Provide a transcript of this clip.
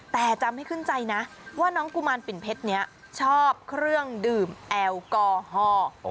แต่จำให้ขึ้นใจนะว่าน้องกุมารปิ่นเพชรนี้ชอบเครื่องดื่มแอลกอฮอล์